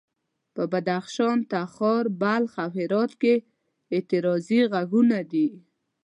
په بدخشان، تخار، بلخ او هرات کې اعتراضي غږونه دي.